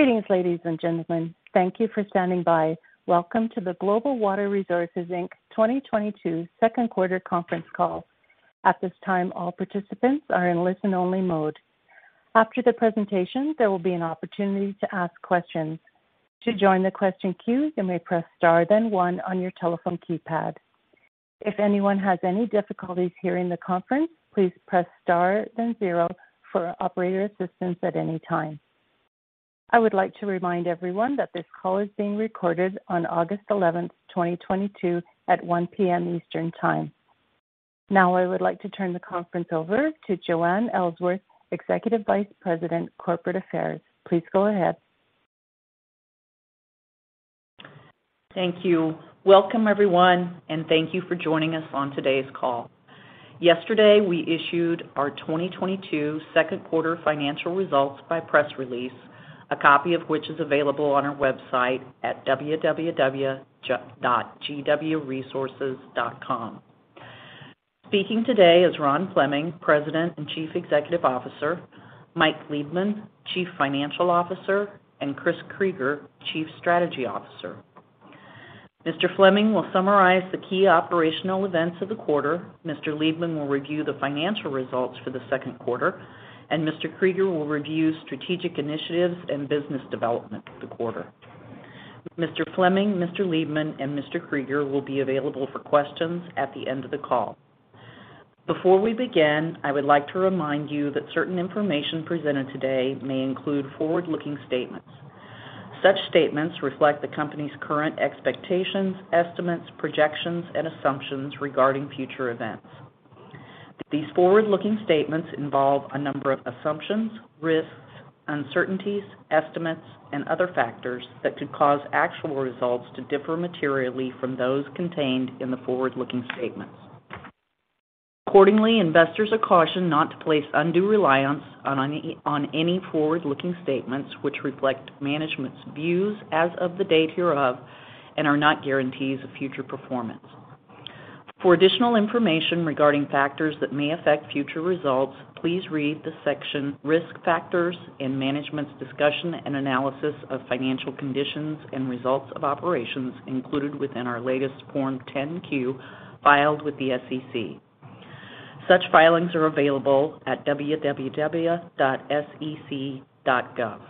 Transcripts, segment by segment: Greetings, ladies, and gentlemen. Thank you for standing by. Welcome to the Global Water Resources, Inc 2022 Second Quarter Conference Call. At this time, all participants are in listen-only mode. After the presentation, there will be an opportunity to ask questions. To join the question queue, you may press star then one on your telephone keypad. If anyone has any difficulties hearing the conference, please press star then zero for operator assistance at any time. I would like to remind everyone that this call is being recorded on August 11th, 2022 at 1:00 P.M. Eastern Time. Now, I would like to turn the conference over to Joanne Ellsworth, Executive Vice President, Corporate Affairs. Please go ahead. Thank you. Welcome, everyone, and thank you for joining us on today's call. Yesterday, we issued our 2022 second quarter financial results by press release, a copy of which is available on our website at www.gwresources.com. Speaking today is Ron Fleming, President and Chief Executive Officer, Mike Liebman, Chief Financial Officer, and Chris Krygier, Chief Strategy Officer. Mr. Fleming will summarize the key operational events of the quarter. Mr. Liebman will review the financial results for the second quarter. Mr. Krygier will review strategic initiatives and business development of the quarter. Mr. Fleming, Mr. Liebman, and Mr. Krygier will be available for questions at the end of the call. Before we begin, I would like to remind you that certain information presented today may include forward-looking statements. Such statements reflect the company's current expectations, estimates, projections, and assumptions regarding future events. These forward-looking statements involve a number of assumptions, risks, uncertainties, estimates, and other factors that could cause actual results to differ materially from those contained in the forward-looking statements. Accordingly, investors are cautioned not to place undue reliance on any forward-looking statements which reflect management's views as of the date hereof and are not guarantees of future performance. For additional information regarding factors that may affect future results, please read the section Risk Factors and Management's Discussion and Analysis of Financial Conditions and Results of Operations included within our latest Form 10-Q filed with the SEC. Such filings are available at www.sec.gov.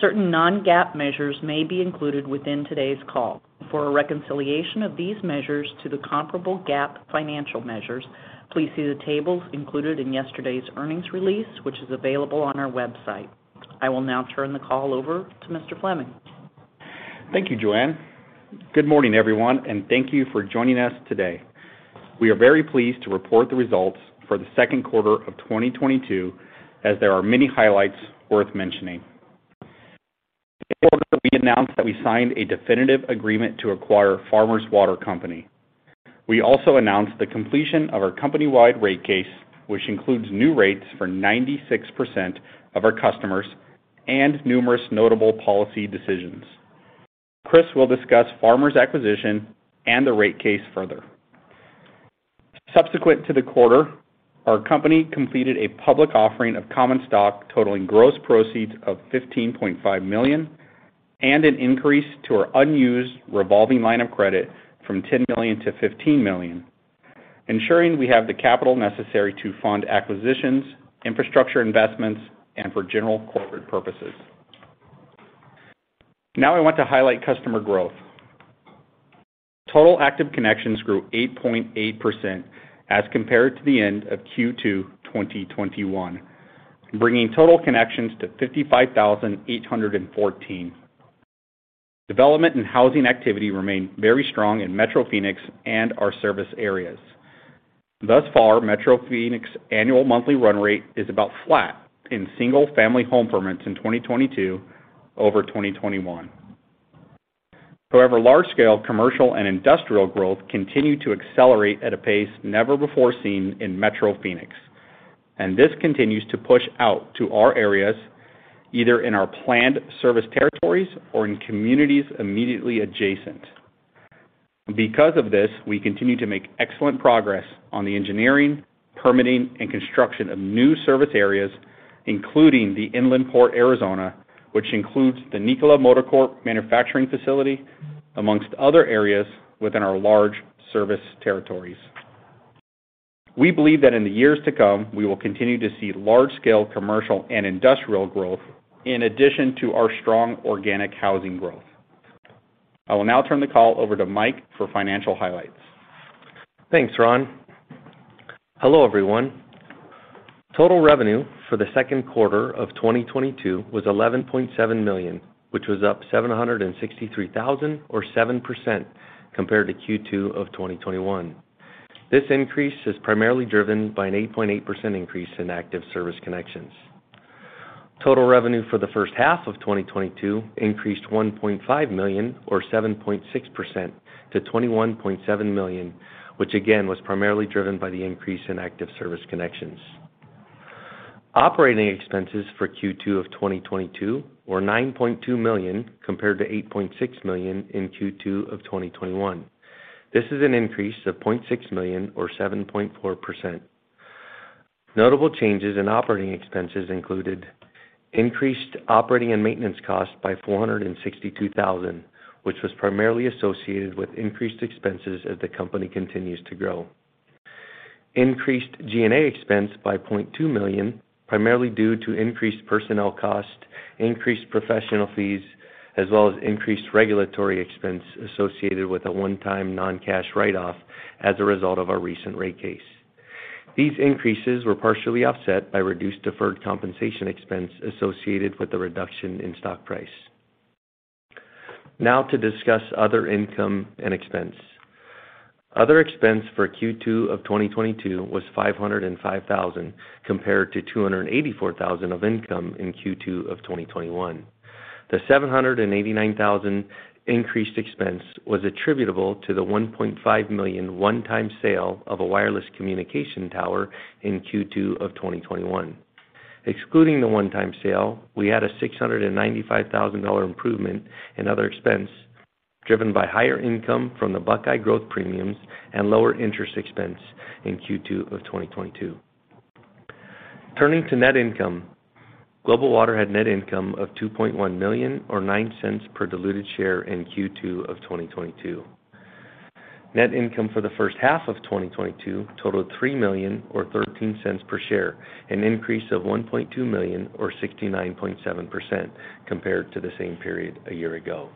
Certain non-GAAP measures may be included within today's call. For a reconciliation of these measures to the comparable GAAP financial measures, please see the tables included in yesterday's earnings release, which is available on our website. I will now turn the call over to Mr. Fleming. Thank you, Joanne. Good morning, everyone, and thank you for joining us today. We are very pleased to report the results for the second quarter of 2022 as there are many highlights worth mentioning. In the quarter, we announced that we signed a definitive agreement to acquire Farmers Water Co. We also announced the completion of our company-wide rate case, which includes new rates for 96% of our customers and numerous notable policy decisions. Chris will discuss Farmers Water Co acquisition and the rate case further. Subsequent to the quarter, our company completed a public offering of common stock totaling gross proceeds of $15.5 million and an increase to our unused revolving line of credit from $10 million-$15 million, ensuring we have the capital necessary to fund acquisitions, infrastructure investments, and for general corporate purposes. Now, I want to highlight customer growth. Total active connections grew 8.8% as compared to the end of Q2 2021, bringing total connections to 55,814. Development and housing activity remain very strong in Metro Phoenix and our service areas. Thus far, Metro Phoenix annual monthly run rate is about flat in single-family home permits in 2022 over 2021. However, large-scale commercial and industrial growth continue to accelerate at a pace never before seen in Metro Phoenix, and this continues to push out to our areas, either in our planned service territories or in communities immediately adjacent. Because of this, we continue to make excellent progress on the engineering, permitting, and construction of new service areas, including the Inland Port Arizona, which includes the Nikola Corporation manufacturing facility, amongst other areas within our large service territories. We believe that in the years to come, we will continue to see large scale commercial and industrial growth in addition to our strong organic housing growth. I will now turn the call over to Mike for financial highlights. Thanks, Ron. Hello, everyone. Total revenue for the second quarter of 2022 was $11.7 million, which was up $763,000 or 7% compared to Q2 of 2021. This increase is primarily driven by an 8.8% increase in active service connections. Total revenue for the first half of 2022 increased $1.5 million or 7.6% to $21.7 million, which again, was primarily driven by the increase in active service connections. Operating expenses for Q2 of 2022 were $9.2 million compared to $8.6 million in Q2 of 2021. This is an increase of $0.6 million or 7.4%. Notable changes in operating expenses included increased operating and maintenance costs by $462,000, which was primarily associated with increased expenses as the company continues to grow. Increased G&A expense by $0.2 million, primarily due to increased personnel costs, increased professional fees, as well as increased regulatory expense associated with a one-time non-cash write-off as a result of our recent rate case. These increases were partially offset by reduced deferred compensation expense associated with the reduction in stock price. Now to discuss other income and expense. Other expense for Q2 of 2022 was $505,000 compared to $284,000 of income in Q2 of 2021. The $789,000 increased expense was attributable to the $1.5 million one-time sale of a wireless communication tower in Q2 of 2021. Excluding the one-time sale, we had a $695,000 improvement in other expense, driven by higher income from the Buckeye growth premiums and lower interest expense in Q2 of 2022. Turning to net income, Global Water had net income of $2.1 million or $0.09 per diluted share in Q2 of 2022. Net income for the first half of 2022 totaled $3 million or $0.13 per share, an increase of $1.2 million or 69.7% compared to the same period a year ago.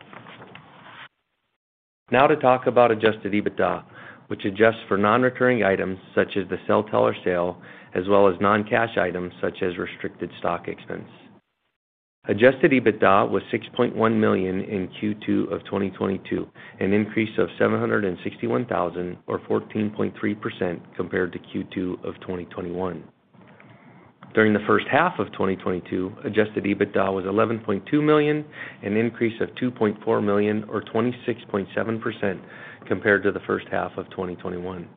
Now to talk about Adjusted EBITDA, which adjusts for non-recurring items such as the cell tower sale, as well as non-cash items such as restricted stock expense. Adjusted EBITDA was $6.1 million in Q2 of 2022, an increase of $761,000 or 14.3% compared to Q2 of 2021. During the first half of 2022, Adjusted EBITDA was $11.2 million, an increase of $2.4 million or 26.7% compared to the first half of 2021.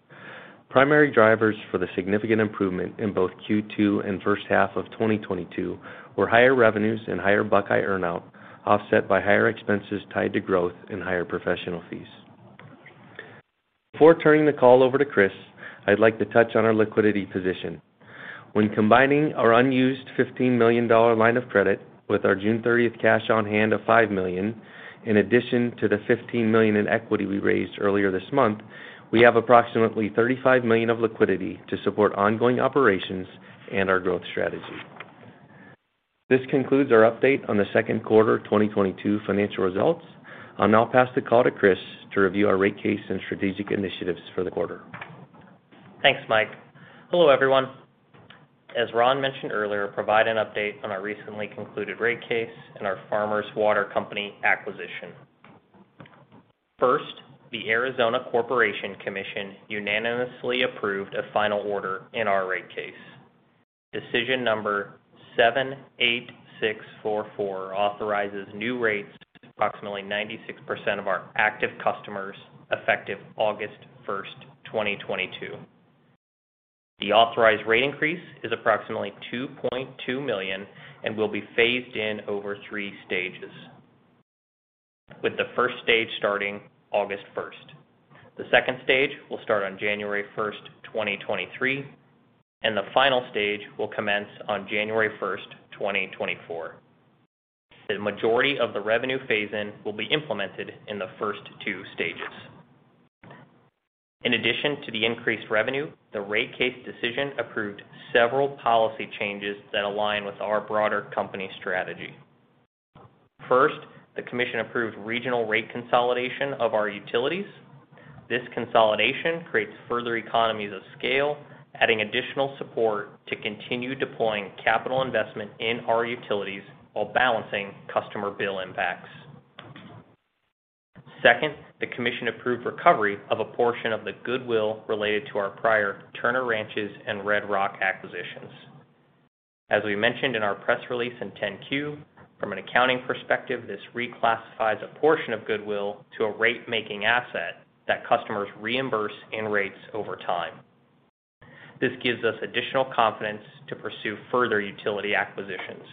Primary drivers for the significant improvement in both Q2 and first half of 2022 were higher revenues and higher Buckeye earnout, offset by higher expenses tied to growth and higher professional fees. Before turning the call over to Chris, I'd like to touch on our liquidity position. When combining our unused $15 million line of credit with our June 30th cash on hand of $5 million, in addition to the $15 million in equity we raised earlier this month, we have approximately $35 million of liquidity to support ongoing operations and our growth strategy. This concludes our update on the second quarter 2022 financial results. I'll now pass the call to Chris to review our rate case and strategic initiatives for the quarter. Thanks, Mike. Hello, everyone. As Ron mentioned earlier, I'll provide an update on our recently concluded rate case and our Farmers Water Co acquisition. First, the Arizona Corporation Commission unanimously approved a final order in our rate case. Decision number 78644 authorizes new rates to approximately 96% of our active customers effective August 1st, 2022. The authorized rate increase is approximately $2.2 million and will be phased in over three stages, with the first stage starting August 1st. The second stage will start on January 1st, 2023, and the final stage will commence on January 1st, 2024. The majority of the revenue phase-in will be implemented in the first two stages. In addition to the increased revenue, the rate case decision approved several policy changes that align with our broader company strategy. First, the commission approved regional rate consolidation of our utilities. This consolidation creates further economies of scale, adding additional support to continue deploying capital investment in our utilities while balancing customer bill impacts. Second, the commission approved recovery of a portion of the goodwill related to our prior Turner Ranches and Red Rock acquisitions. As we mentioned in our press release in 10-Q, from an accounting perspective, this reclassifies a portion of goodwill to a rate-making asset that customers reimburse in rates over time. This gives us additional confidence to pursue further utility acquisitions.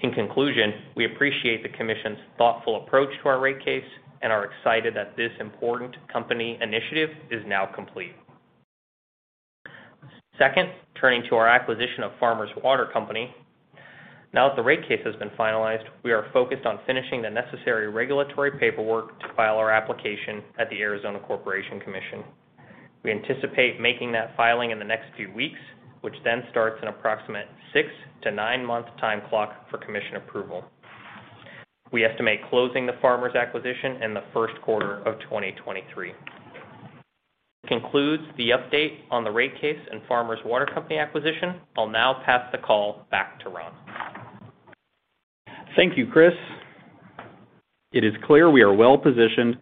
In conclusion, we appreciate the commission's thoughtful approach to our rate case and are excited that this important company initiative is now complete. Second, turning to our acquisition of Farmers Water Co. Now that the rate case has been finalized, we are focused on finishing the necessary regulatory paperwork to file our application at the Arizona Corporation Commission. We anticipate making that filing in the next few weeks, which then starts an approximate six to nine month time clock for commission approval. We estimate closing the Farmers Water Co acquisition in the first quarter of 2023. This concludes the update on the rate case and Farmers Water Co acquisition. I'll now pass the call back to Ron. Thank you, Chris. It is clear we are well-positioned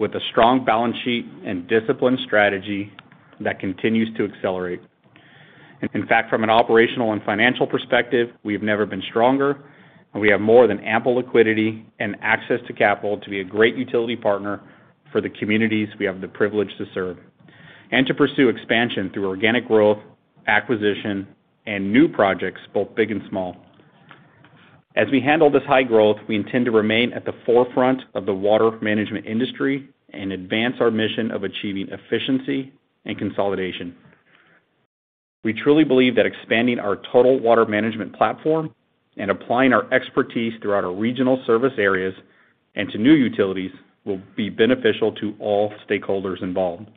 with a strong balance sheet and disciplined strategy that continues to accelerate. In fact, from an operational and financial perspective, we have never been stronger, and we have more than ample liquidity and access to capital to be a great utility partner for the communities we have the privilege to serve, and to pursue expansion through organic growth, acquisition, and new projects, both big and small. As we handle this high growth, we intend to remain at the forefront of the water management industry and advance our mission of achieving efficiency and consolidation. We truly believe that expanding our total water management platform and applying our expertise throughout our regional service areas and to new utilities will be beneficial to all stakeholders involved.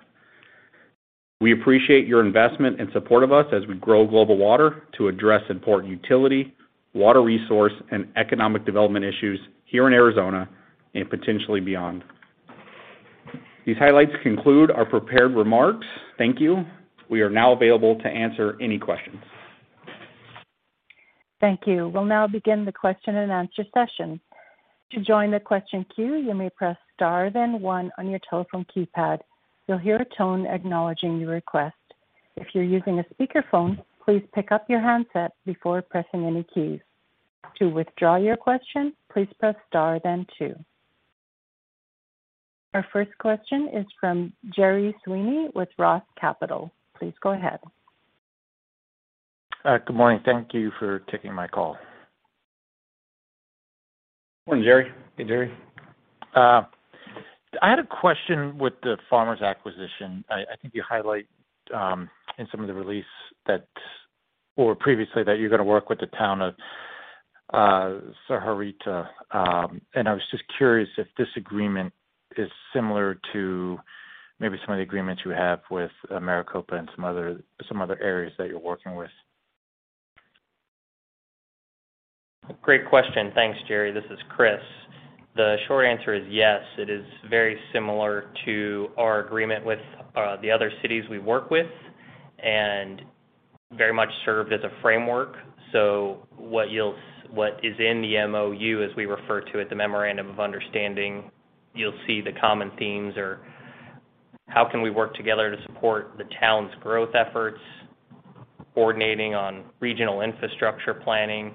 We appreciate your investment and support of us as we grow Global Water to address important utility, water resource, and economic development issues here in Arizona and potentially beyond. These highlights conclude our prepared remarks. Thank you. We are now available to answer any questions. Thank you. We'll now begin the question-and-answer session. To join the question queue, you may press star then one on your telephone keypad. You'll hear a tone acknowledging your request. If you're using a speakerphone, please pick up your handset before pressing any keys. To withdraw your question, please press star then two. Our first question is from Gerry Sweeney with Roth Capital Partners. Please go ahead. Good morning. Thank you for taking my call. Morning, Gerry. Hey, Gerry. I had a question with the Farmers Water Co acquisition. I think you highlight in some of the release that or previously that you're gonna work with the town of Sahuarita, and I was just curious if this agreement is similar to maybe some of the agreements you have with Maricopa and some other areas that you're working with. Great question. Thanks, Gerry. This is Chris. The short answer is yes, it is very similar to our agreement with the other cities we work with and very much served as a framework. What is in the MOU, as we refer to it, the memorandum of understanding, you'll see the common themes are how can we work together to support the town's growth efforts, coordinating on regional infrastructure planning,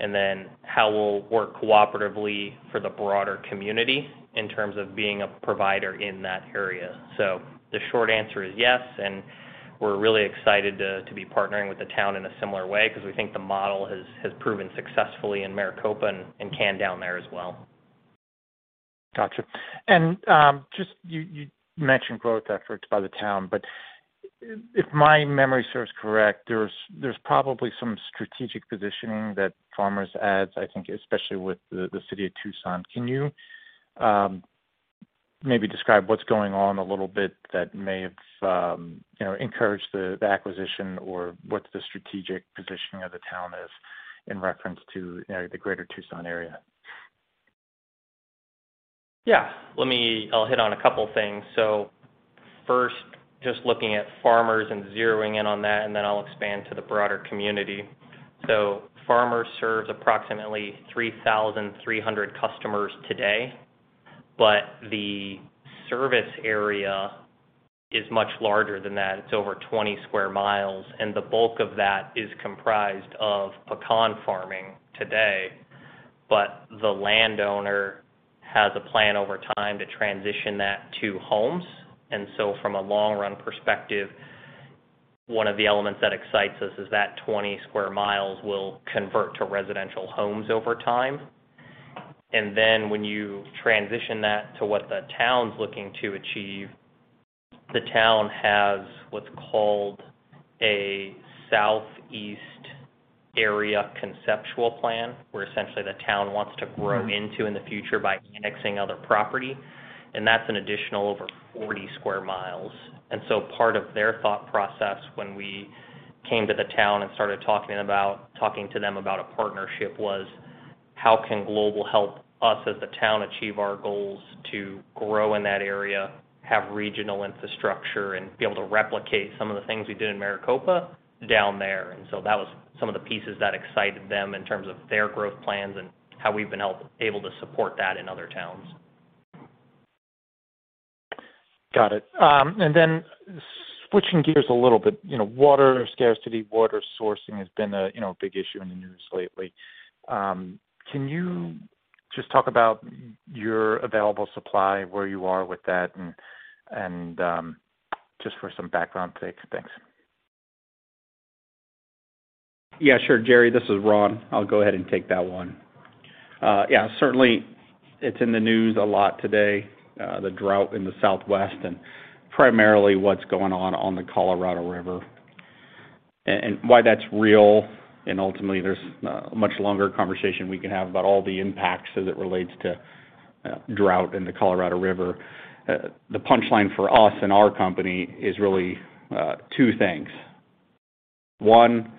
and then how we'll work cooperatively for the broader community in terms of being a provider in that area. The short answer is yes, and we're really excited to be partnering with the town in a similar way because we think the model has proven successfully in Maricopa and can down there as well. Gotcha. Just you mentioned growth efforts by the town, but if my memory serves correct, there's probably some strategic positioning that Farmers adds, I think especially with the city of Tucson. Can you maybe describe what's going on a little bit that may have you know encouraged the acquisition or what the strategic positioning of the town is in reference to you know the greater Tucson area? Yeah. I'll hit on a couple things. First, just looking at Farmers and zeroing in on that, and then I'll expand to the broader community. Farmers serves approximately 3,300 customers today, but the service area is much larger than that. It's over 20 sq mi, and the bulk of that is comprised of pecan farming today. The landowner has a plan over time to transition that to homes. From a long run perspective, one of the elements that excites us is that 20 sq mi will convert to residential homes over time. When you transition that to what the town's looking to achieve, the town has what's called a southeast area conceptual plan, where essentially the town wants to grow into in the future by annexing other property, and that's an additional over 40 sq mi. Part of their thought process when we came to the town and started talking to them about a partnership was how can Global help us as a town achieve our goals to grow in that area, have regional infrastructure, and be able to replicate some of the things we did in Maricopa down there. That was some of the pieces that excited them in terms of their growth plans and how we've been able to support that in other towns. Got it. Switching gears a little bit, you know, water scarcity, water sourcing has been a, you know, big issue in the news lately. Can you just talk about your available supply, where you are with that and, just for some background sake? Thanks. Yeah, sure. Gerry, this is Ron. I'll go ahead and take that one. Yeah, certainly it's in the news a lot today, the drought in the Southwest and primarily what's going on on the Colorado River. And why that's real and ultimately there's a much longer conversation we can have about all the impacts as it relates to drought in the Colorado River. The punchline for us and our company is really two things. One,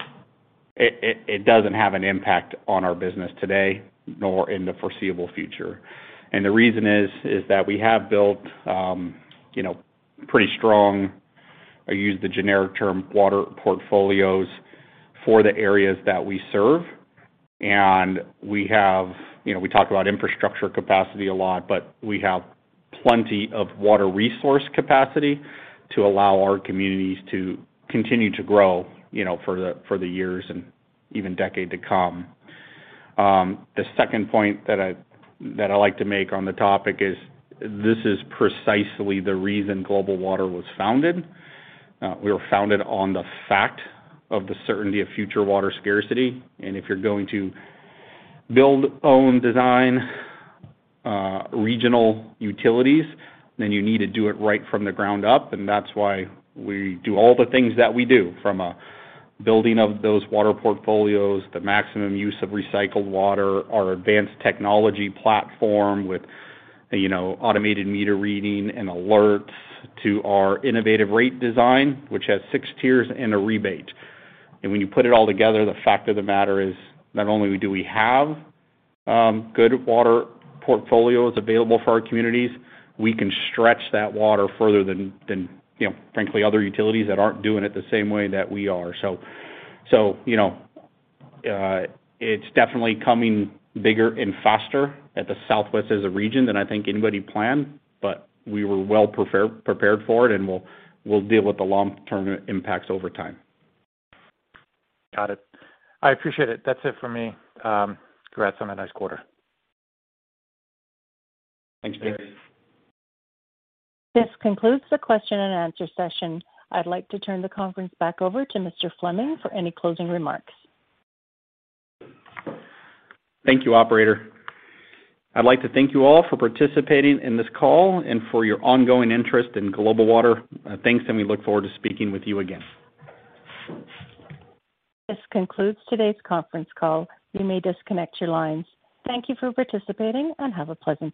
it doesn't have an impact on our business today nor in the foreseeable future. The reason is that we have built, you know, pretty strong. I use the generic term, water portfolios for the areas that we serve. We have, you know, we talk about infrastructure capacity a lot, but we have plenty of water resource capacity to allow our communities to continue to grow, you know, for the years and even decade to come. The second point that I like to make on the topic is this is precisely the reason Global Water was founded. We were founded on the fact of the certainty of future water scarcity. If you're going to build, own, design, regional utilities, then you need to do it right from the ground up. That's why we do all the things that we do, from building of those water portfolios, the maximum use of recycled water, our advanced technology platform with, you know, automated meter reading and alerts to our innovative rate design, which has six tiers and a rebate. When you put it all together, the fact of the matter is not only do we have good water portfolios available for our communities, we can stretch that water further than you know, frankly, other utilities that aren't doing it the same way that we are. You know, it's definitely coming bigger and faster at the Southwest as a region than I think anybody planned, but we were well prepared for it, and we'll deal with the long-term impacts over time. Got it. I appreciate it. That's it for me. Congrats on a nice quarter. Thanks, Gerry. This concludes the question-and-answer session. I'd like to turn the conference back over to Mr. Fleming for any closing remarks. Thank you, Operator. I'd like to thank you all for participating in this call and for your ongoing interest in Global Water. Thanks, and we look forward to speaking with you again. This concludes today's conference call. You may disconnect your lines. Thank you for participating, and have a pleasant day.